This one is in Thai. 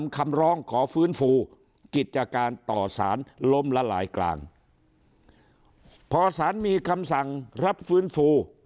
คำร้องขอฟื้นฟูกิจการต่อสารล้มละลายกลางพอสารมีคำสั่งรับฟื้นฟู